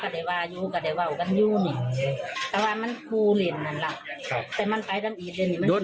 ตะวันมันฟูเหล่นอันหลังแต่มันไปตั้งอีกเดือน